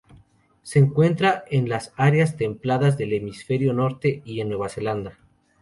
Se encuentran en las áreas templadas del hemisferio norte y en Nueva Zelanda.